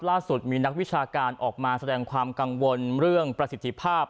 ล่าสุดมีนักวิชาการออกมาแสดงความกังวลเรื่องประสิทธิภาพ